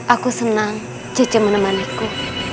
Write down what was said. aku senang jeje menemaniku